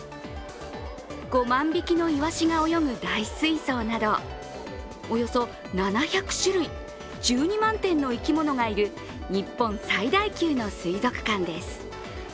５万匹のイワシが泳ぐ大水槽など、およそ７００種類、１２万点の生き物がいる日本最大級の水族館です。